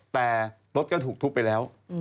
แต่รถก็ถูกทุบไปแล้ว